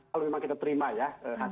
kalau memang kita terima ya